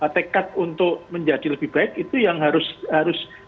tekad untuk menjadi lebih baik itu yang harus